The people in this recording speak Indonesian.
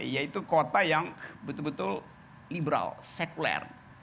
yaitu kota yang betul betul liberal sekuler